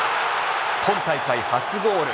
今大会初ゴール。